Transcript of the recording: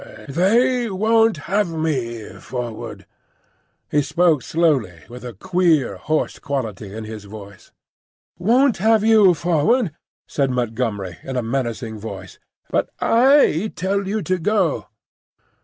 "They—won't have me forward." He spoke slowly, with a queer, hoarse quality in his voice. "Won't have you forward!" said Montgomery, in a menacing voice. "But I tell you to go!"